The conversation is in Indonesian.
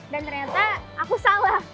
dan ternyata aku salah